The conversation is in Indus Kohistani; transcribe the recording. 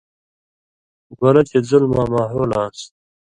گَولہ چِہ ظلماں ماحول آنٚس